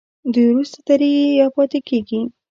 دوی وروسته درېږي یا پاتې کیږي.